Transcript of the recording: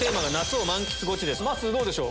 まっすーどうでしょう？